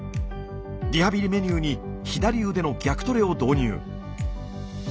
リハビリメニューに左腕の逆トレを導入。